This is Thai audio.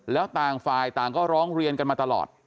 แล้วต่างฝ่ายต่างก็ร้องเรียนกันมาตลอด